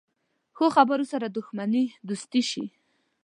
ښو خبرو سره دښمني دوستي شي.